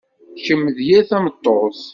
Kemm d yir tameṭṭut.